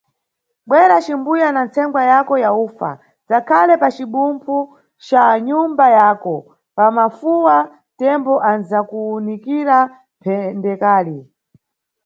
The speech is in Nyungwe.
Bwera, cimbuya na nsengwa yavko ya ufa, zakhale pa cibumphu ca nyumba yako; pa mafuwa, Tembo anʼdzakuunikira mphendekali.